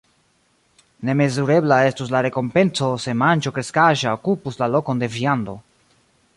Nemezurebla estus la rekompenco, se manĝo kreskaĵa okupus la lokon de viando.